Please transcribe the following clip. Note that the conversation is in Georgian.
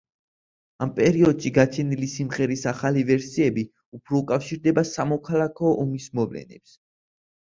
ამ პერიოდში გაჩენილი სიმღერის ახალი ვერსიები უფრო უკავშირდებოდა სამოქალაქო ომის მოვლენებს.